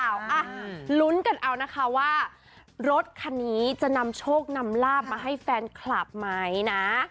อ่ะลุ้นกันเอานะคะว่ารถคันนี้จะนำโชคนำลาบมาให้แฟนคลับไหมนะ